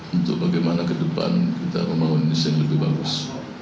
untuk bagaimana ke depan kita membangun indonesia yang lebih bagus